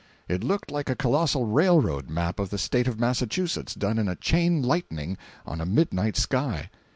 It looked like a colossal railroad map of the State of Massachusetts done in chain lightning on a midnight sky.